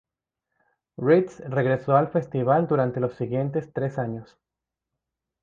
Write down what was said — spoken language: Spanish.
Ritz regresó al festival durante los siguientes tres años.